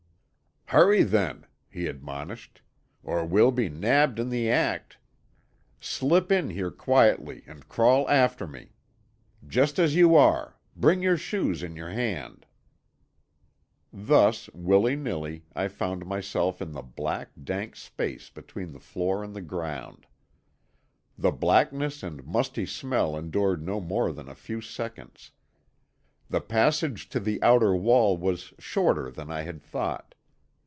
"Hurry, then," he admonished, "or we'll be nabbed in the act. Slip in here quietly and crawl after me. Just as you are. Bring your shoes in your hand." Thus, willy nilly, I found myself in the black, dank space between the floor and the ground. The blackness and musty smell endured no more than a few seconds. The passage to the outer wall was shorter than I had thought.